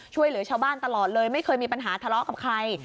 ช่วยเหลือชาวบ้านตลอดเลยไม่เคยมีปัญหาทะเลาะกับใคร